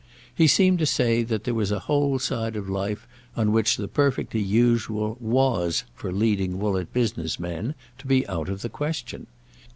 He seemed to say that there was a whole side of life on which the perfectly usual was for leading Woollett business men to be out of the question.